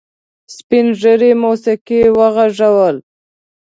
سپین ږيري موسيقي وغږوله.